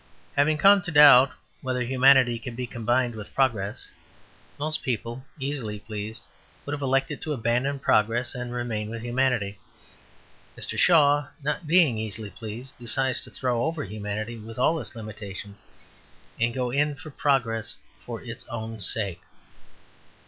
Having come to doubt whether humanity can be combined with progress, most people, easily pleased, would have elected to abandon progress and remain with humanity. Mr. Shaw, not being easily pleased, decides to throw over humanity with all its limitations and go in for progress for its own sake.